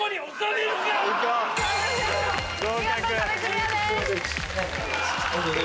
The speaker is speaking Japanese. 見事壁クリアです。